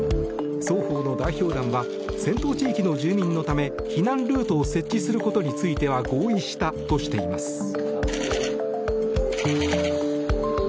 双方の代表団は戦闘地域の住民のため避難ルートを設置することについては合意したとしています。